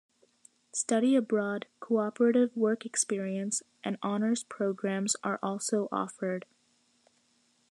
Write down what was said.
Study abroad, cooperative work experience, and honors programs are also offered.